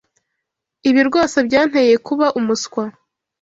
Ibi rwose byanteye kuba umuswa.